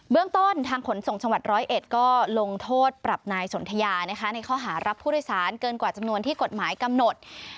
เรื่องต้นทางขนส่งจังหวัดร้อยเอ็ดก็ลงโทษปรับนายสนทยานะคะในข้อหารับผู้โดยสารเกินกว่าจำนวนที่กฎหมายกำหนด